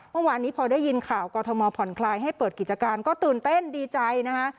เมื่อวานนี้พอได้ยินข่าวกรทมผ่อนคลายให้เปิดกิจการก็ตื่นเต้นดีใจนะคะ